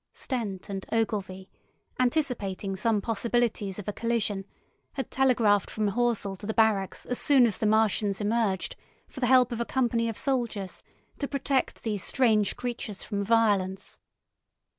Stent and Ogilvy, anticipating some possibilities of a collision, had telegraphed from Horsell to the barracks as soon as the Martians emerged, for the help of a company of soldiers to protect these strange creatures from violence.